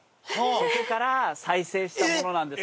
そこから再生したものなんですよ